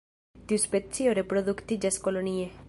Tiu specio reproduktiĝas kolonie.